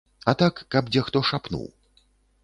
А так каб дзе хто шапнуў.